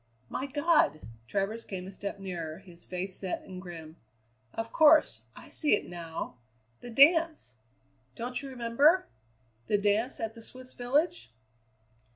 "My God!" Travers came a step nearer, his face set and grim. "Of course! I see it now the dance! Don't you remember? The dance at the Swiss village?"